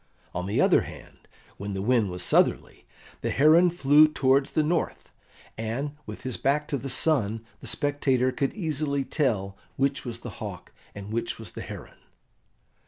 On the other hand, when the wind was southerly, the heron flew towards the north, and, with his back to the sun, the spectator could easily tell which was the hawk and which was the heron.